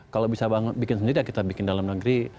kalau bisa bikin sendiri ya kita bikin dalam negeri